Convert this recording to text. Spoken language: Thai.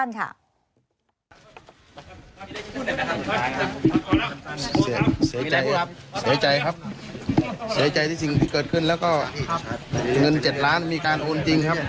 เสียใจครับเสียใจครับเสียใจที่สิ่งที่เกิดขึ้นแล้วก็อีกเงิน๗ล้านมีการโอนจริงครับ